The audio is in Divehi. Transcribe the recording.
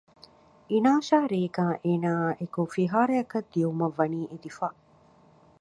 އިނާޝާ ރޭގައި އޭނައާއި އެކު ފިހާރަޔަކަށް ދިއުމަށްވަނީ އެދިފަ